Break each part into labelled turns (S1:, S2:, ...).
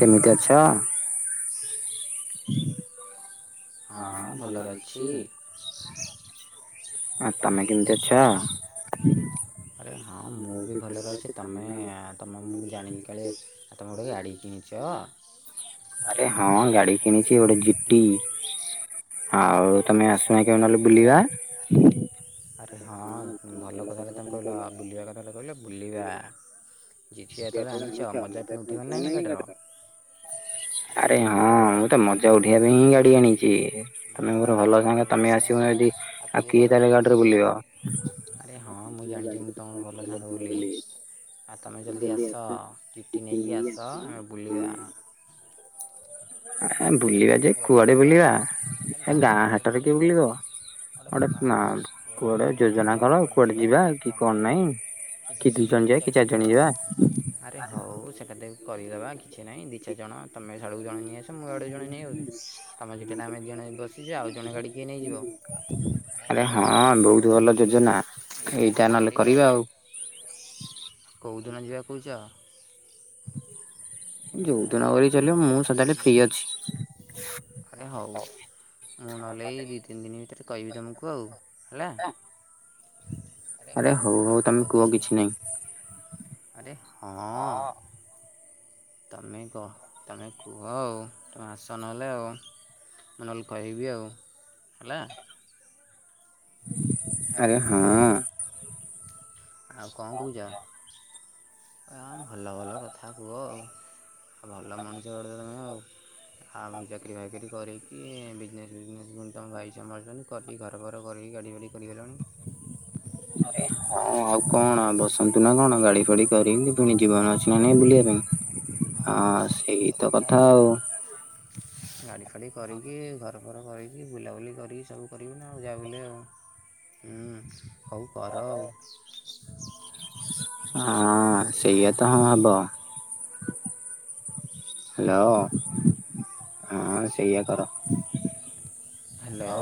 S1: କେମତି ଅଛ? ହଁ ଭଲରେ ଅଛି। ଆ ତମେ କେମତି ଅଛ?
S2: ଆରେ ହଁ ମୁଁ ବି ଭଲରେ ଅଛି ତମେ ତମେ ମୁଁ ଜାଣିଲି କାଳେ ତମେ ଗୋଟେ ଗାଡ଼ି କିଣିଛ?
S1: ଆରେ ହଁ ଗାଡି କିଣିଛି ଗୋଟେ ଜିଟି। ଆଉ ତମେ ଆସୁନ କେବେ ନହେଲେ ବୁଲିବା।
S2: ଆରେ ହଁ ଭଲ କଥାଟା ତମେ କହିଲ ବୁଲିବା କଥାଟା କହିଲ ବୁଲିବା। ଜିଫିଆର ଏଥର
S1: ଯେତେବେଳେ
S2: ଆଣିଛ ମଜା ପୁଣି
S1: ତ ଉଠିବ ନା
S2: ଉଠେଇବାନାନାହିଁ
S1: ନାଇଁ
S2: ଗାଡ଼ିର।
S1: ଗାଡିର? ଆରେ ହଁ ମୁଁ ତ ମଜା ଉଠେଇବା ପାଇଁ ହିଁ ଗାଡି ଆଣିଛି। ତମେ ମୋର ଭଲ ସାଙ୍ଗ ତମେ ଆସିବ ଏଠି ଆଉ କିଏ ତାହା ହେଲେ ଗାଡ଼ିରେ ବୁଲେଇବ।
S2: ଆରେ ହଁ ମୁଁ ଜାଣିଛି ମୁ ତୁମର ଭଲ ସାଙ୍ଗ ବୋଲି ଆଉ ତୁମେ ଜଲ୍ଦି ଆସ। ଟିଟି ନେଇକି ଆସ ଆମେ ବୁଲିବା।
S1: ଆ ବୁଲିବା ଯେ କୁଆଡେ ବୁଲିବା ଏ ଗାଁ ହାଟରେ କିଏ ବୁଲିବ।
S2: ଗୋଟେ
S1: ଅଡେ ଆ କୁଆଡେ ଯୋଜନା କର କୁଆଡେ ଯିବା କି କଣ ନାହିଁ କି ଦିଇ ଜଣ ଯାଇ କି ଚାର ଜଣ ଯିବା।
S2: ଆରେ ହଉ ସେଟା ଦେ କରେଇଦେବା କିଛି ନାହିଁ ଦି ଚାର ଜଣ ତମେ ସେ ଆଡକୁ ଜଣେ ନେଇ ଆସ ମୁଁ ଆଡକୁ ଜଣେ ନେଉ ବି ତମେ ସେଟି ନା ଆମେ ଜଣ ବସିଯିବା ଆଉ ଜଣେ ଗାଡି କିଏ ନେଇଯିବ।
S1: ଆରେ ହଁ ବହୁତ ଭଲ ଯୋଜନା ଏଇଟା ନହେଲେ କରିବା ଆଉ।
S2: କୋଉ ଦିନ ଯିବା କହୁଛ?
S1: ଯୋଉ ଦିନ ଗଲେ ଚାଲିବ ମୁଁ ସଦାବେଳେ ଫ୍ରି ଅଛି।
S2: ହଉ। ମୁଁ ନହେଲେ ଦୁଇ ତିନି ଦିନ ଭିତରେ କହିବି ତୁମକୁ ଆଉ ହେଲା।
S1: ଆରେ ହଉ ହଉ ତମେ କୁହ କିଛି ନାହିଁ।
S2: ଆରେ ହଁ। ତମେ କହ ତମେ କୁହ ଆଉ ତମେ ଆସ ନହେଲେ ଆଉ। ମୁଁ ନହେଲେ କହବି ଆଉ ହେଲା।
S1: ଆରେ ହଁ।
S2: ଆଉ କଣ କହୁଛ ଭଲ ଭଲ କଥା କୁହ। ଭଲ ମଣିଷ ଗୋଟେ ତମେ ଆଉ ଚାକିରି ଫାକିରି କରି ଇଏ ବିଜନେସ୍ ଫିଜନେସ୍ ଯେ ତମ ଭାଇ ସମ୍ଭାଳଛନ୍ତି କରିକି ଘର ଫର କରିକି ଗାଡ଼ି ଫାଡ଼ି କରିଗଲଣି।
S1: ହଁ ଆଉ କଣ ବସ ନା କଣ ଗାଡି ଫାଡି କରିବି ପୁଣି ଜୀବନ ଅଛି ନା ନାଇଁ ବୁଲିବା ପାଇଁ। ହଁ ସେଇତ କଥା ଆଉ।
S2: [inaudible] ଗାଡ଼ି ଫାଡ଼ି କରିକି ଘର ଫର କରିକି ବୁଲାବୁଲି କରିକି ସବୁ କରିବୁନା ଆଉ ଯା ହଉ।
S1: ହର
S2: ଆଉ।
S1: [inaudible] ହଁ
S2: ସେଇଆ ତ
S1: ସେଇଆତ ହଁ
S2: ହବ।
S1: ଭଲ। ହ୍ୟାଲୋ।
S2: ହଁ ସେଇ କର ହ୍ୟାଲୋ।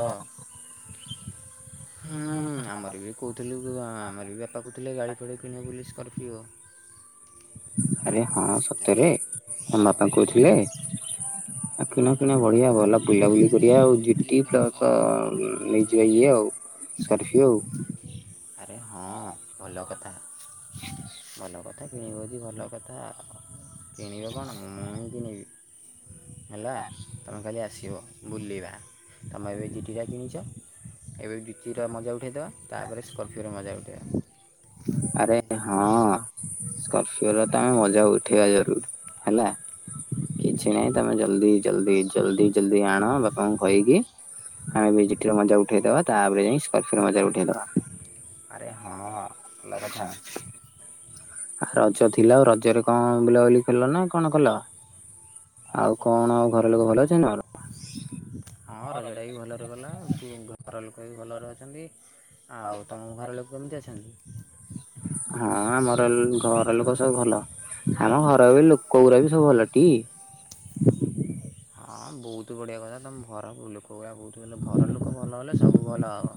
S2: ହୁଁ ଆମର ବି କହୁଥିଲୁ ଆମର ବି ବାପା କହୁଥିଲେ ଗାଡ଼ି ଫାଡ଼ି କିଣିବେ ବୋଲି ସ୍କର୍ପିଓ।
S1: ଆରେ ହଁ ସତରେ ମ ବାପା କହୁଥିଲେ। କିଣ କିଣ ବଢ଼ିଆ ଭଲ ବୁଲାବୁଲି କରିବା ଆଉ ଜିଟି ପ୍ଲସ୍ ନେଇଯିବା ଇଏ ଆଉ କରଫ୍ୟୁ ଆଉ [inaudible]
S2: ଆରେ ହଁ ଭଲ କଥା ଭଲ [inaudible] ହେଲା ତମେ ଖାଲି ଆସିବ ବୁଲିବା ତମେ ଏବେ ଏଟିକା କିଣିଛ। ଏବେ ବି କ୍ଵ ମଜା ଉଠାଇ ଦେବା ତାପରେ ସ୍କର୍ପିଓର ମଜା ଉଠେଇବା
S1: ଆରେ ହଁ ସ୍କର୍ପିଓର ତ
S2: ତୁମେ
S1: ଆମେ ମଜା
S2: ଉଠାଇବା
S1: ଉଠେଇବା
S2: ଜରୁରୀ
S1: ଜରୁର।
S2: ହେଲା
S1: ହାଲୋ। କିଛି ନାହିଁ
S2: ତୁମେ
S1: ତମେ
S2: ଜଲ୍ଦି
S1: ଜଲ୍ଦୀ
S2: ଜଲ୍ଦି
S1: ଜଲ୍ଦୀ
S2: ଜଲ୍ଦି
S1: ଜଲ୍ଦୀ
S2: ଜଲ୍ଦି
S1: ଜଲ୍ଦୀ ଆଣ
S2: ଲୋକଙ୍କୁ
S1: ବାପାଙ୍କୁ କହିକି। ଆମେ ବି ର ମଜା ଉଠେଇଦେବା ତାପରେ ଯାଇ ସ୍କର୍ପିଓ ମଜା ଉଠେଇଦବା।
S2: ଆରେ ହଁ ଭଲ କଥା।
S1: ରଜ ଥିଲା ଆଉ ରଜରେ କଣ ବୁଲାବୁଲି ଖଲ ନା କଣ କଲ? ଆଉ କଣ ଘର ଲୋକ ଭଲ ଅଛନ୍ତି?
S2: ହଁ ରଜଟା ବି ଭଲରେ ଗଲା ଘର ଲୋକ ବି ଭଲରେ ଅଛନ୍ତି। ଆଉ ତମ ଘର ଲୋକ କେମିତି ଅଛନ୍ତି?
S1: ହଁ ଆମର ଘର ଲୋକ ସବୁ ଭଲ। ଆମ ଘରବି ଲୋକ ଗୁରାକ ବି ସବୁ ଭଲଟି।
S2: ହଁ ବହୁତ ବଢ଼ିଆ କଥା ତମେ ଘର ଲୋକ ଗୁଡ଼ାକ ବହୁତ ଭଲ ଘର ଲୋକ ଭଲ ହେଲେ ସବୁ ଭଲ ହେବ।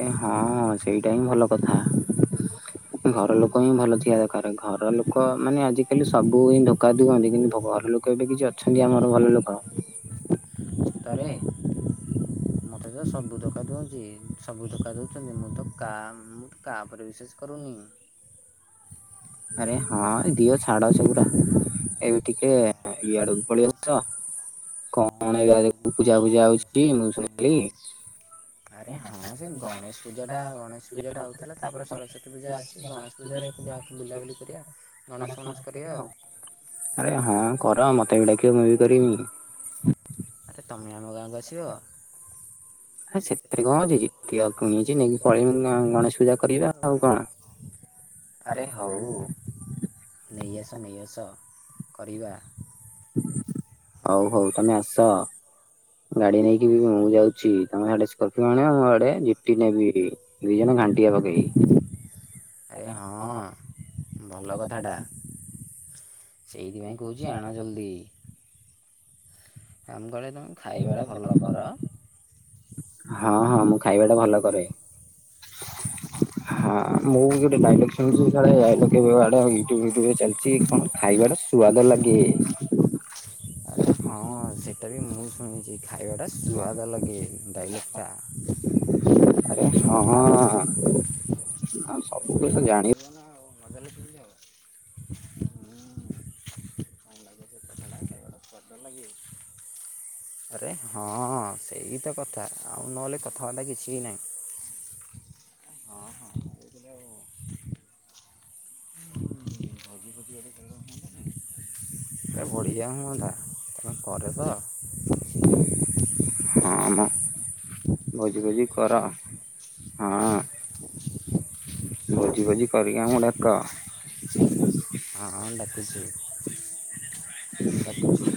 S1: ଆରେ ହଁ ସେଇଟା ହିଁ ଭଲ କଥା। ଘର ଲୋକ ହିଁ ଭଲ ଥିବା ଦରକାର ଘର ଲୋକ ମାନେ ଆଜିକାଲି ସବୁ ହିଁ ଧୋକା ଦିଅନ୍ତି କିନ୍ତୁ ଘର ଲୋକ ଏବେ କିଛି ଅଛନ୍ତି ଆମର ଭଲ ଲୋକ
S2: ତରେ
S1: ଆରେ
S2: [inaudible] ମତେ ତ ସବୁ ଧୋକା ଦିଅନ୍ତି ସବୁ ଧୋକା ଦଉଛନ୍ତି ମୁଁ ତ କା ମୁଁ କା ଉପରେ ବିଶ୍ୱାସ କରୁନି।
S1: ଆରେ ହଁ
S2: ତୁ
S1: ଦିଅ
S2: ଛାଡ଼
S1: ଛାଡ
S2: ସେ
S1: ସେଗୁରା
S2: କଥା
S1: ଏବେ ଟି ଏ
S2: ଇଆଡ଼କୁ
S1: ଇଆଡକୁ
S2: ପଳେଇ ଆସ
S1: ପଳିଆସ ତ କଣ ଏଗା ପୂଜା ଫୂଜା ହୋଉଛି ମୁଁ ଶୁ ଏଇ
S2: ଆରେ ହଁ ସେ
S1: ଗଣେଶ
S2: ଗଣେଶ୍ ପୂଜାଟା
S1: ଗଣେଶ
S2: ଗଣେଶ୍
S1: ପୂଜାରେ
S2: ପୂଜାଟା
S1: ହଉଥିଲା
S2: ଆଉଥୁଲା ତାପରେ
S1: ସରସ୍ୱତୀ
S2: ସରସ୍ଵତୀ ପୂଜା
S1: ଅଛି
S2: ଅସି
S1: ଗଣେଶ
S2: ଗଣେଶ୍ ପୂଜାରେ
S1: ପୂଜା
S2: ଯାଇକି
S1: ଗଣେଶ
S2: ବୁଲାବୁଲି କରିବା ଗଣସ୍ ଫଣସ୍ କରିବା ଆଉ।
S1: ଆରେ ହଁ କର ମତେ ବି ଡାକିବ ମୁଁ ବି କରିବି।
S2: ଆରେ ତୁମେ ଆମ ଗାଁକୁ ଆସିବ।
S1: ହଁ ସେଥିରେ କଁ ଅଛି ଜିତି କଁ ହେଇଛି ନେଇକି ପଳେଇବି ଗଣେଶ୍ ପୂଜା କରିବା ଆଉ କଁ।
S2: ଆରେ ହୋଉ ନେଇ ଆସ ନେଇ ଆସ କରିବା।
S1: ହୋଉ ହୋଉ ତମେ ଆସ। ଗାଡି ନେଇକି ବି ମୁଁ ଯାଉଛି ତମେ ହ୍ୟାଡେ ସ୍କର୍ପିଓ ଆଣିବ ମୁଁ ୟାଡେ ଜିଟି ନେବି। ଦି ଜଣ ଘାଣ୍ଟିଆ ପକେଇକି।
S2: ଆରେ ହଁ ଭଲ କଥାଟା। ସେଇଥିପାଇଁ କହୁଛି ଆଣା ଜଲ୍ଦି। କମ କଲେ ତମେ ଖାଇବା ଟା ଭଲ କର।
S1: ହଁ ହଁ ମୁଁ ଖାଇବା ଟା ଭଲ କରେ। ହଁ ମୁଁ ବି ଗୋଟେ ଡାଇଲଗ୍ ଶୁଣିଛି କାଳେ କେବେଆଡେ ୟୁଟୁବ୍ ଫ୍ୟୁୟୁବ୍ ରେ ଚାଲିଛି କଣ ଖାଇବା ସୁଆଦ ଲଗେ।
S2: ଆରେ ହଁ ସେଟା ବି ମୁଁ ଶୁଣିଚି। ଖାଇବାଟା ସୁଆଦ ଲାଗେ ଡାଇଲକ୍ଟା।
S1: ଆରେ ହଁ ହଁ ସବୁ କଥା ଜାଣି
S2: ତାଲେ ଯାଅ ହୁଁ କଣ ଲାଗେ ସେ କଥାଟା ଖାଇବାଟା ସ୍ୱାଦ ଲାଗେ। ଆରେ ହଁ ସେଇ ତ କଥା ଆଉ ନହେଲେ କଥାବାର୍ତ୍ତା କିଛି ବି ନାହିଁ। ହଁ ହଁ। ଭାଜିି ପତି ଗଲେ ଖେଳ ହୁଅନ୍ତାନି। ଏ ବଢ଼ିଆ ହୁଅନ୍ତା କରେତ?
S1: ହଁମ ଭୋଜି ଫୋଜି କର ହଁ। ଭୋଜି ଫୋଜି କରିକି
S2: କରିବା
S1: ଆମୁକୁ
S2: ଆମର
S1: ଡାକ।
S2: ତ ହଁ ଡାକୁଚୁ ଡାକୁଚୁ।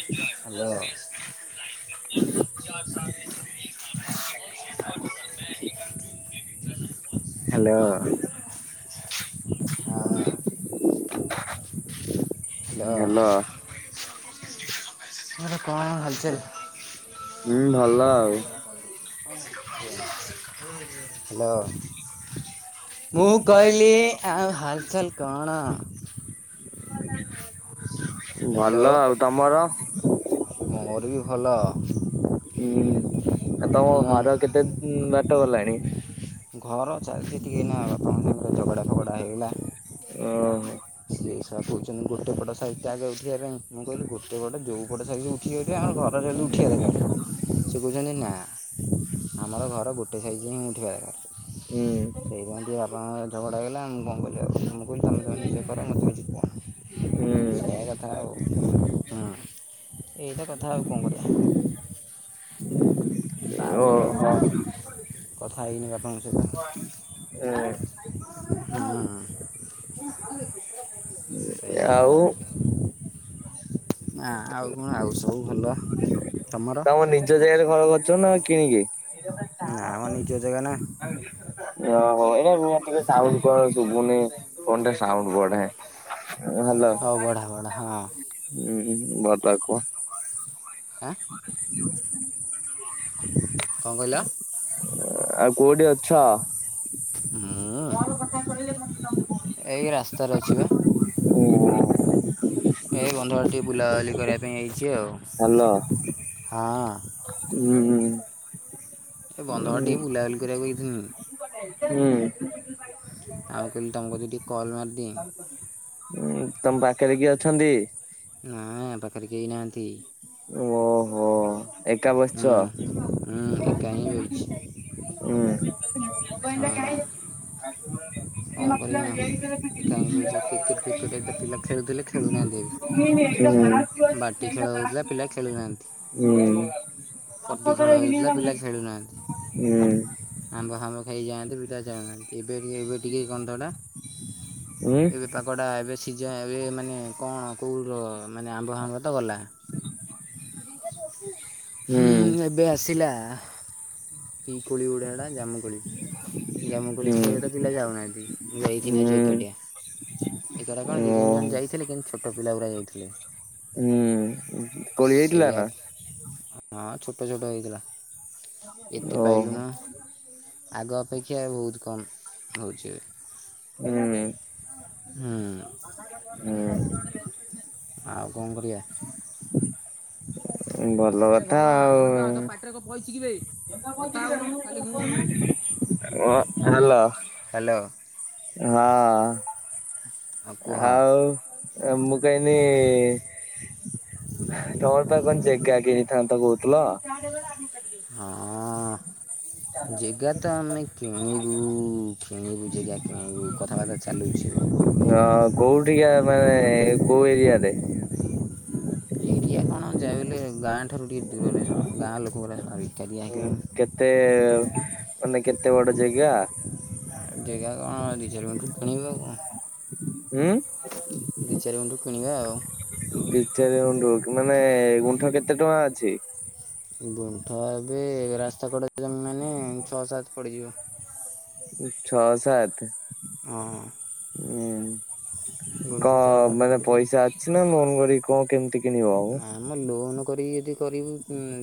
S1: ହାଲୋ। ହ୍ୟାଲୋ
S2: [unintelligible] ହଁ। Hello
S1: hello.
S2: ତମର କଣ ହାଲ୍ ଚାଲ୍?
S1: ହୁଁ ଭଲ ଆଉ
S2: ହାଲୋ। ମୁଁ କହିଲି ଆଉ ହାଲ୍ଚାଲ୍ କଣ? ହ୍ୟାଲୋ
S1: ଭଲ ଆଉ ତମର?
S2: ମୋର ବି ଭଲ।
S1: ଉଁ ଆଉ ତମ ଘର କେତେ ବାଟ ଗଲାଣି?
S2: ଘର ଚାଲି ଛି ଟିକେ ଏଇନା ବାପା ମାନିଙ୍କର ଝଗଡ଼ା
S1: ଓହୋ।
S2: ସିଏ ସା କହୁଛନ୍ତି ଗୋଟେ ପଟ ସାଇହି ଟା ଆଗେ ଉଠିବା ପାଇଁ ମୁଁ କହିଲି ଗୋଟେ ପଟ ଯୋଉ ପଟ ସାଇଟି ଉ ଝିଅଟି ଆମର ଘର ସେଠୁ ଉଠିବା ଦର୍କାର୍। ସେ କହୁଛନ୍ତି ନା ଆମର ଘର ଗୋଟେ ସାଇଜି ହିଁ ଉଠିବା ଦରକାର।
S1: ହୁଁ
S2: ସେଇପାଇ ଟିକେ ବାପା ଝଗଡା ହେଇଗଲା [unintelligible] [inaudible] [unintelligible] [inaudible] ସେଇା
S1: ହୁଁ
S2: କଥା ଆଉ ହୁଁ ଏଇଟା କଥା ଆଉ କଣ କରିବା। ତାପରେ ଆଉ
S1: ଓହୋ।
S2: କଥା ହେଇନି ବାପା ଙ୍କ ସହିତ
S1: ହୁଁ
S2: ହଁ ହଁ।
S1: [unintelligible]
S2: ସେୟା ଆଉ। ନା ଆଉ କଣ ଆଉ ସବୁ ଭଲ। ତମର
S1: ତମ ନିଜ ଜାଗାରେ ଘର କରିଚ ନା ଆଉ କିଣିକି?
S2: ନା ଆମ ନିଜ ଜାଗା ନା।
S1: ଓହୋ ଏଇଟା ଟିକେ ସାଉଣ୍ଡ କଣ ଶୁଭୁନି ଫୋନ୍ ଟିକେ ସାଉଣ୍ଡ ବଢ଼ାଏ।
S2: ହଉ ବଢ଼ା ବଢ଼ା ହଁ।
S1: ହୁଁ ହୁଁ ବତାକ
S2: ଆଁ କଣ କହିଲ?
S1: ଆ କୋଉଠି ଅଛ?
S2: ମୁଁ ଏଇ ରାସ୍ତାରେ ଅଛି ବା। ଏଇ ବନ୍ଧବାଟେ ଟିକେ ବୁଲାବୁଲି କରିବା ପାଇଁ ଆଇଚି ଆଉ
S1: ହାଲୋ।
S2: ହଁ।
S1: ହୁଁ ହୁଁ।
S2: ଏ ବନ୍ଧା ଟିକେ ବୁଲାବୁଲି କରିବାକୁ ଆଇଥିଲି।
S1: ହୁଁ।
S2: ଆଉେ କହିଲି ତମକୁ ଟିକେ କଲ୍ ମାରିଦିଏ।
S1: ହୁଁ ତମ ପାଖରେ କିଏ ଅଛନ୍ତି?
S2: ନା ଆମ ପାଖରେ କେହି ନାହାନ୍ତି।
S1: ଓ ହୋ।
S2: ହଁ ହଁ ଏକା ହିଁ ବଇଚି।
S1: ହୁଁ
S2: ହଁ
S1: [unintelligible]
S2: [unintelligible] କଣ କରମି କାହିଁ କ୍ରିକେଟ ଫ୍ରିକେଟ୍ ଏତ ପିଲା ଖେଳୁଥିଲେ ଖେଳୁନାହାନ୍ତି ଏ ବାଟି ଖେଳ ହଉଥିଲା ପିଲା ଖେଳୁନାହାନ୍ତି।
S1: ହଁ
S2: ପଟି ଖେଳ
S1: [unintelligible]
S2: ହେଉଥିଲା ପିଲା ଖେଳୁନାହାନ୍ତି
S1: ଉଁ ହୁଁ।
S2: ଆମ୍ବ ଫାମ୍ବ ଖାଇଯାଆନ୍ତେ ବିଟା ଚାଣଁନାହାନ୍ତି ଏବେ ଟିକେ ଏବେ ଟିକିେ କଣ ଟା [unintelligible]
S1: ଏ
S2: ଏବେ ପାଗଟା ଏବେ ସିଜ ଏବେ ମାନେ କଣ କୋଉ ର ମାନେ ଆମ୍ବ ଫାମ୍ବ ତ ଗଲା। ହୁଁ ଏବେ ଆସିଲା ଏ କୋଳି ଗୁଡ଼େ ହେଡ଼ା ଜାମୁକୋଳି। ଜାମୁ କୋଳି
S1: ହୁଁ
S2: ଖାଇବା ଟା ପିଲା ଯାଉନାହାନ୍ତି ମୁଁ ଯାଇଥିଲି
S1: ହୁଁ
S2: ଏକାଠିଆ। ଏଟା କଣ
S1: ଓ
S2: ଦିଇ ତିନି ଜଣ ଯାଇଥିଲେ କିନ୍ତୁ ଛୋଟ ପିଲା ଗୋରା ଯାଇଥିଲେ।
S1: ହୁଁ କୋଳି ହେଇଥିଲା
S2: ସେୟା
S1: ନା
S2: ହଁ ଛୋଟ ଛୋଟ ହେଇଥିଲା। ଏତେ
S1: ଓହୋ
S2: ପାଇଲୁନୁ ଆଗ ଅପେକ୍ଷା ବହୁତ କମ୍ ହେଉଛି ଏବେ।
S1: ହୁଁ।
S2: ହୁଁ।
S1: ହୁଁ।
S2: ଆଉ କଣ କରିଆ?
S1: ଭଲ କଥା ଆଉ।
S2: ରେ କ ଫଇଚି କିିବେ
S1: [inaudible] ଅ ହେଲା।
S2: ହ୍ୟାଲୋ।
S1: ହଁ,
S2: ହଁ କୁହ ହଁ।
S1: ଆଉ ଆ ମୁ କାଇନି ତମର ପା କଣ ଚେ କାଗେ ହେଇଥାନ୍ତ କହୁଥିଲ।
S2: ହଁ। ଜେଗା ତ ଆମେ କିଣିବୁ କିଣିବୁ ଜେଗା କିଣିବୁ କଥାବାର୍ତ୍ତା ଚାଲୁଛି।
S1: ଅ କୋଉଠିକା ମାନେ କୋଉ ଏରିଆରେ?
S2: ଏରିଆ କଣ ଯାଇଲେ ଗାଁ ଠାରୁ ଟିକେ ଦୂରରେ ହଁ ଗାଁ ଲୋକ ଗୁରା। [unintelligible]
S1: ହୁଁ କେତେ ମାନେ କେତେ ବଡ ଜେଗା?
S2: ଜେଗା କଣ ରିଜର୍ମେନ୍ଟ ରୁ କିଣିବୁ ଆଉ କଣ।
S1: ଉଁ
S2: ଦି, ଚାରି ଗୁଣ୍ଠୁ କିଣିବା ଆଉ।
S1: ଦି ଚାରି ଗୁଣ୍ଠୁ, କି ମାନେ ଗୁଣ୍ଠ କେତେ ଟଙ୍କା ଅଛି?
S2: ବୁଣ୍ଠ ଏବେ ରାସ୍ତା କଡ଼ ଜମି ମାନେ ଛଅ ସାତ ପଡ଼ିଯିବ।
S1: ଛଅ, ସାତ।
S2: ହଁ
S1: ହୁଁ,
S2: ଗୁଣ୍ଠ ଛଅ
S1: କଣ
S2: ସାତ
S1: ମାନେ
S2: ପଡ଼ିଯିବ
S1: ପଇସା କିଛି ନାଇଁ ମନ କରିକି କହୁ କେମିତି କିଣିବ ଆଉ?
S2: ଆମ ଲୋନ୍ କରିକି ଯଦି କରିବୁ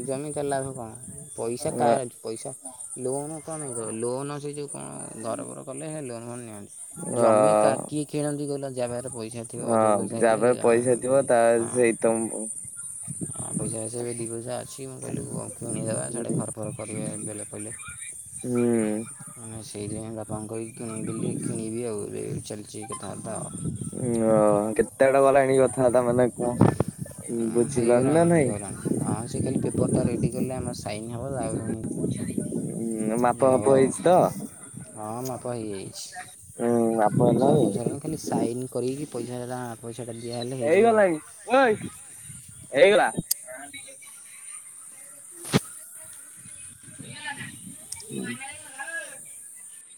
S2: ଜମି ତ ଲାଭ କଣ? ପଇସା
S1: ଅ
S2: ତାର ଅଛି, ପଇସା ଲୋନ୍ କମେଇ ଲୋନ୍ ସେ ଯେଉ କଣ ଘରବର କଲେ ହେ ଲୋନ ନିଅନ୍ତି।
S1: ଅ
S2: ଜମି କା କିଏ କିଣନ୍ତି କହିଲ? ଜା ପାଖରେ ପଇ ଥିବ
S1: ହଁ
S2: ଅଧିକା ପଇସା ହେଇଗଲେ [unintelligible]
S1: ତୁମ୍ବୁ
S2: [unintelligible] ପଇସା ଆସେଵେ ଦି ପଇସା ଆଛି ମୁଁ କହିଲି କିୁଣିଦବା ସେଇଆଟେ ଘର ଫର କରିବେ ବେଳ ପଇଲେ।
S1: ହୁଁ।
S2: ମାନେ ସେଇଥିପାଇଁ ବାପାଙ୍କୁ କହିକି କିଣେଇଦେଲି, କିଣିବି ଆଉ ରେଟ୍ ଚାଲିଛି କଥାବାର୍ତ୍ତା ଆଉ।
S1: ଓ କେତେ ବାଟ ଗଲାଣି କଥା ବାର୍ତ୍ତା ମାନେ କଣ ବୁଝିଲଣି ନା
S2: ହେଇଗଲାଣି
S1: ନାଇଁ?
S2: ହେଇଗଲାଣି ହଁ ସେ କାଲି ପେପରଟା ରେଡ଼ି କଲେ ଆମର ସାଇନ ହବ, ତାପରେ
S1: ଉଁ
S2: ପୁଣି
S1: ମାପ
S2: ଇଏ
S1: ଫାପ
S2: ହବ,
S1: ହେଇଛି ତ?
S2: ହଁ ମାପ ହେଇଯାଇଛି।
S1: ହୁଁ ବାପ
S2: ସବୁ
S1: ହେଲାଣି?
S2: ସରଣି ଖାଲି ସାଇନ୍ କରିକି ପଇସାଟା ପଇସାଟା ଦିଆହେଲେ ହେଇଯିବ
S1: ହେଇଗଲାଣି ଓଏ
S2: ଆଉ।
S1: ହେଇଗଲା। [inaudible] [inaudible]